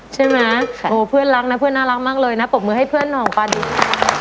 ใช่ไหมโอ้เพื่อนรักนะเพื่อนน่ารักมากเลยนะปรบมือให้เพื่อนห่องป่าดี